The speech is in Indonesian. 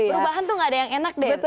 perubahan tuh nggak ada yang enak deh betul